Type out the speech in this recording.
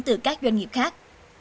từ các doanh nghiệp khác